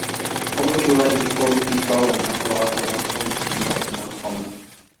Problems related to quality control and unreliable electronics have not been uncommon.